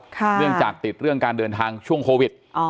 เนื่องจากติดเรื่องการเดินทางช่วงโควิด